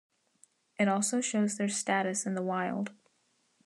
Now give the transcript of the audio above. It also shows their status in the wild.